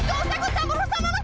kau usah usah merusak mama